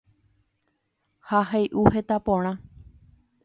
Ha hey'u heta porã